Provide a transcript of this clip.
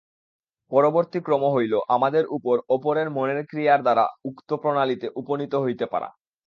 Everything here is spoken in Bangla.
পরবর্তী ক্রম হইল আমাদের উপর অপরের মনের ক্রিয়ার দ্বারা উক্ত প্রণালীতে উপনীত হইতে পারা।